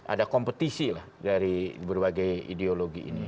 ada kompetisi lah dari berbagai ideologi ini